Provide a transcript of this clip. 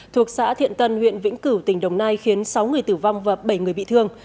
thuộc xã thiện tân huyện vĩnh cửu tỉnh đồng nai khiến sáu người tử vong và bảy người bị thương